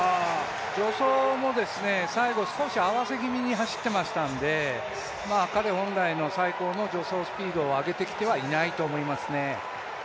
助走も最後少し合わせ気味に走っていましたので彼本来の最高の助走スピードを上げてきてはいないと思いますね。